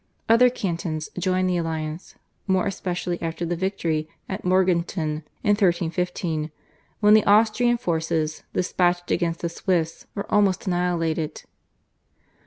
Other cantons joined the alliance, more especially after the victory at Morgarten in 1315, when the Austrian forces despatched against the Swiss were almost annihilated.